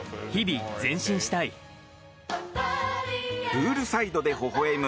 プールサイドでほほ笑む